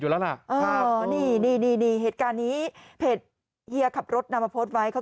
อยู่แล้วล่ะนี่เหตุการณ์นี้เหตุเหี้ยขับรถนำมาโพสไว้เขา